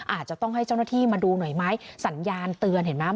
อาจจะต้องให้เจ้าหน้าที่มาดูหน่อยไหมสัญญาณเตือนเห็นไหม